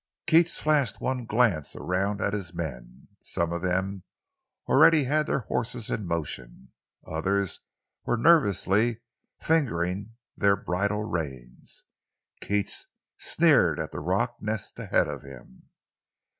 Keats flashed one glance around at his men. Some of them already had their horses in motion; others were nervously fingering their bridle reins. Keats sneered at the rock nest ahead of him.